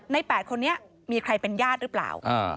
๘คนนี้มีใครเป็นญาติหรือเปล่า